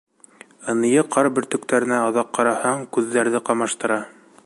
Ынйы ҡар бөртөктәренә оҙаҡ ҡараһаң, күҙҙәрҙе ҡамаштыра.